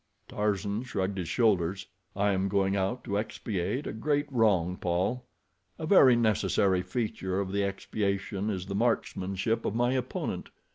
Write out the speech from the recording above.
Tarzan shrugged his shoulders. "I am going out to expiate a great wrong, Paul. A very necessary feature of the expiation is the marksmanship of my opponent.